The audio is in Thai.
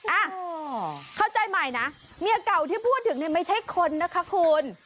อ่ะเข้าใจใหม่นะเมียเก่าที่พูดถึงเนี่ยไม่ใช่คนนะคะคุณ